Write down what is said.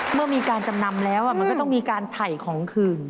เมื่อมีการจำนำแล้วมันก็ต้องมีการถ่ายของคืน